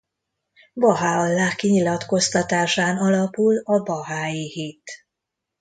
Baháalláh kinyilatkoztatásán alapul a bahái hit.